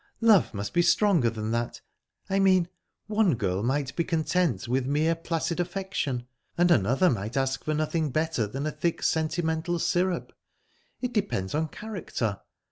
Love must be stronger than that...I mean, one girl might be content with mere placid affection, and another might ask for nothing better than a thick sentimental syrup. It depends on character.